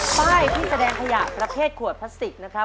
ป้ายที่แสดงขยะประเภทขวดพลาสติกนะครับ